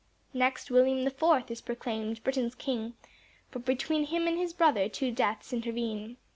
Next William the fourth, is proclaimed Britain's king, For between him and his brother two deaths intervene.